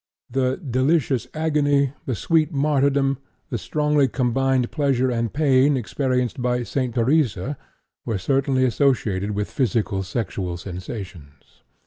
The "delicious agony" the "sweet martyrdom," the strongly combined pleasure and pain experienced by St. Theresa were certainly associated with physical sexual sensations.